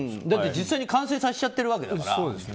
だって実際に感染させちゃっているわけだから。